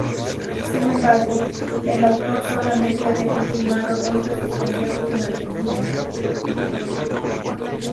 Sin embargo, el autor solamente había confirmado dos de sus conciertos en Argentina.